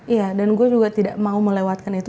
iya dan gue juga tidak mau melewatkan itu